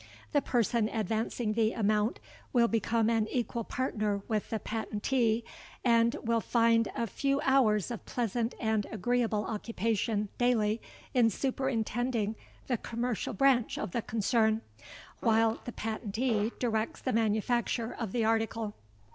The person advancing the amount, will become an equal partner with the patentee, and will find a few hours of pleasant and agreeable occupation daily in superintending the commercial branch of the concern, while the patentee directs the manufacture of the article.